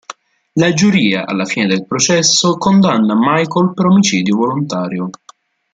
La giuria, alla fine del processo, condanna Michael per omicidio volontario.